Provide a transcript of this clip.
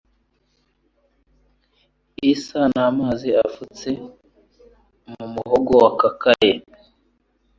isa n’amazi afutse mu muhogo wakakaye